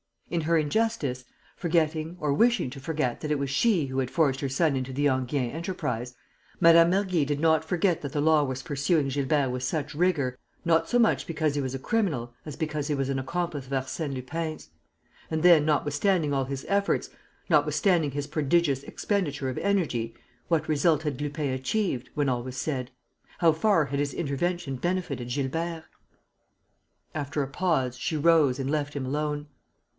In her injustice, forgetting or wishing to forget that it was she who had forced her son into the Enghien enterprise, Mme. Mergy did not forget that the law was pursuing Gilbert with such rigour not so much because he was a criminal as because he was an accomplice of Arsène Lupin's. And then, notwithstanding all his efforts, notwithstanding his prodigious expenditure of energy, what result had Lupin achieved, when all was said? How far had his intervention benefited Gilbert? After a pause, she rose and left him alone.